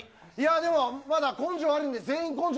でもまだ根性あるんで全員。